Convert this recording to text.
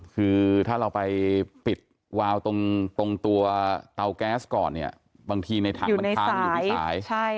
คือถ้าเราไปปิดวาวตรงตัวเตาแก๊สก่อนเนี่ยบางทีในถังมันค้างอยู่ที่สาย